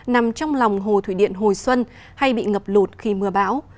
nằm trong lòng hồ thủy điện hồi xuân hay bị ngập lụt khi mưa bão